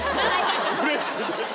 うれしくて。